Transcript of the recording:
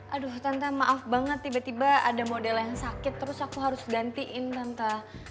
aduh tante maaf banget tiba tiba ada model yang sakit terus aku harus gantiin tanta